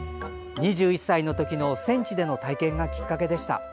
２１歳の時の戦地での体験がきっかけでした。